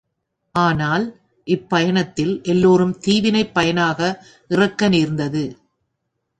ஆனால், இப்பயணத் தில் எல்லோரும் தீவினைப் பயனாக இறக்க நேர்ந்தது.